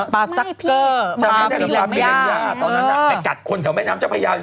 ปลาซ็อกเกอร์มามีระบายปลาพรีเงินยาตอนนั้นอะไปกัดคนแถวแม่น้ำเจ้าพระยา